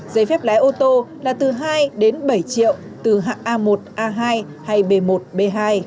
giấy phép lái ô tô là từ hai đến bảy triệu từ hạng a một a hai hay b một b hai